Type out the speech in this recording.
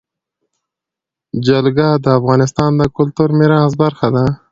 جلګه د افغانستان د کلتوري میراث برخه ده.